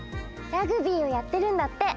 ラグビーをやってるんだって。